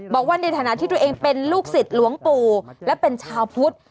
บอกว่าในฐานะที่ตัวเองเป็นลูกศิษย์หลวงปู่และเป็นชาวพุทธ